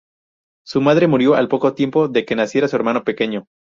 Su madre murió al poco tiempo de que naciera su hermano pequeño.